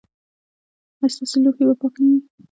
ایا ستاسو لوښي به پاک نه وي؟